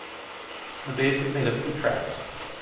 The base is made of two tracks.